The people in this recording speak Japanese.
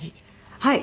はい。